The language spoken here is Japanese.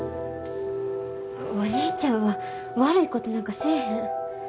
お兄ちゃんは悪いことなんかせえへん。